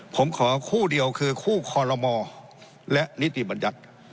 ผมขอคู่เดียวคือคู่คอลโลมและนิติบัญญัติ